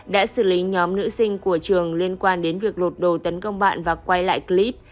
đã xử lý nhóm nữ sinh của trường liên quan đến việc lột đồ tấn công bạn và quay lại clip